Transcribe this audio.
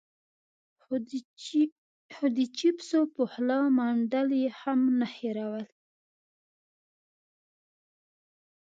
خو د چېپسو په خوله منډل يې هم نه هېرول.